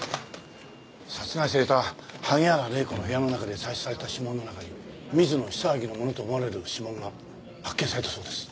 殺害された萩原礼子の部屋の中で採取された指紋の中に水野久明のものと思われる指紋が発見されたそうです。